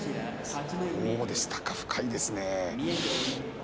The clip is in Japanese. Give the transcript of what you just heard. そうですか、深いですね